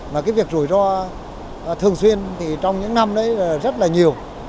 mà cái việc rủi ro thường xuyên thì trong những năm đấy rất là nhiều